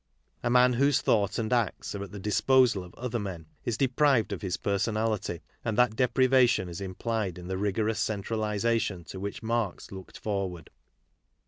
A man whose thought and acts are at the dis posal of other men is deprived of his personality, and that deprivation is implied in the rigorous centralization to which Marx looked forward.